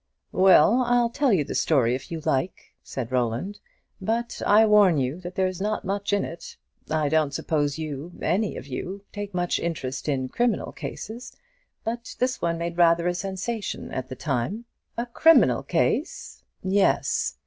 "Well, I'll tell you the story, if you like," said Roland, "but I warn you that there's not much in it. I don't suppose you any of you take much interest in criminal cases; but this one made rather a sensation at the time." "A criminal case?" "Yes.